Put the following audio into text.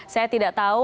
saya tidak tahu